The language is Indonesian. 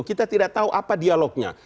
kita tidak tahu apa dialognya